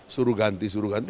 suruh ganti suruh ganti